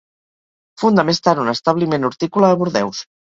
Funda més tard un establiment hortícola a Bordeus.